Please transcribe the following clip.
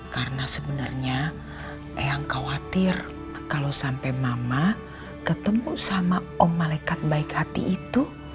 karena sebenarnya eyang khawatir kalau sampai mama ketemu sama om malekat baik hati itu